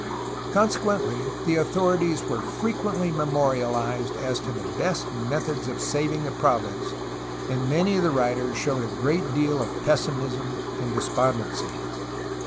Consequently the authorities were frequently memorialized as to the best methods of saving the province, and many of the writers showed a great deal of pessimism and despondency.